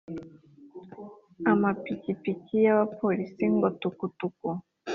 amapikipiki y’abapolisi ngo tukutuku